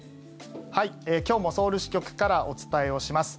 はい、今日もソウル支局からお伝えをします。